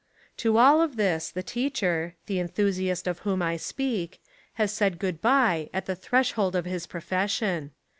To all of this the teacher — the enthusiast of whom I speak — has said good bye at the threshold of his profession.